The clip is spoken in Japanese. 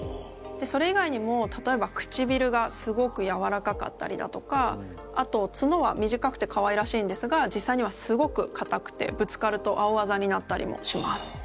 それ以外にも例えばくちびるがすごくやわらかかったりだとかあと角は短くてかわいらしいんですが実際にはすごく硬くてぶつかると青あざになったりもします。